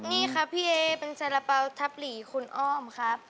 นี่ครับพี่เอเป็นสาระเป๋าทับหลีคุณอ้อมครับ